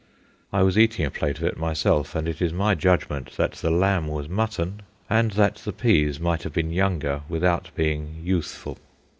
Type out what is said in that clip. I was eating a plate of it myself, and it is my judgment that the lamb was mutton and that the peas might have been younger without being youthful.